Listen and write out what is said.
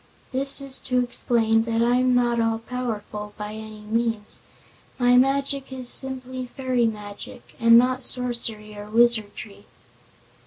This is to explain that I'm not all powerful, by any means. My magic is simply fairy magic, and not sorcery or wizardry."